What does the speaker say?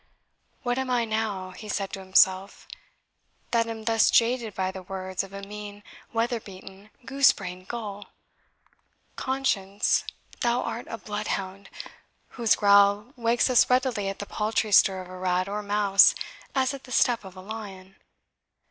"What am I now," he said to himself, "that am thus jaded by the words of a mean, weather beaten, goose brained gull! Conscience, thou art a bloodhound, whose growl wakes us readily at the paltry stir of a rat or mouse as at the step of a lion.